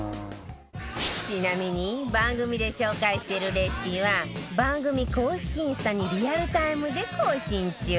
ちなみに番組で紹介してるレシピは番組公式インスタにリアルタイムで更新中